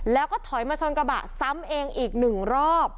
แล้วก็ถอยมาชนกระบะซ้ำเองอีกหนึ่งรอบ